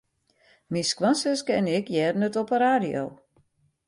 Myn skoansuske en ik hearden it op de radio.